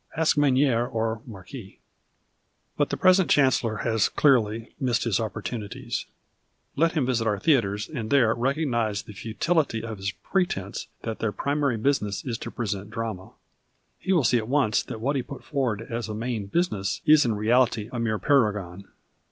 Ask Menier or Marquis. But the i)resent Chancellor has, clearly, missed his opportunities. Let him \\s\[ our lh(;itr(s and there recognize the futility of his prcfencc that their primary lousiness is to presint drama. He will sec (J9 PASTICHE AND PREJUDICE at once that what he put forward as a main business is in reality a mere parergon.